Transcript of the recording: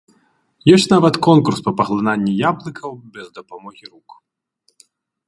Ёсць нават конкурс па паглынанні яблыкаў без дапамогі рук.